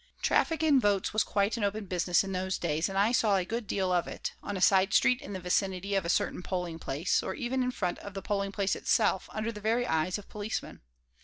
Traffic in votes was quite an open business in those days, and I saw a good deal of it, on a side street in the vicinity ot a certain polling place, or even in front of the polling place itself, under the very eyes of policemen.